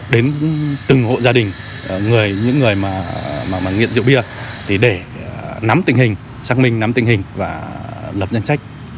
đến từng hộ gia đình người những người mà nghiện rượu bia để nắm tình hình xác minh nắm tình hình và lập danh sách